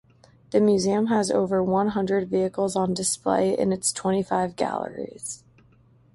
The museum has over one-hundred vehicles on display in its twenty-five galleries.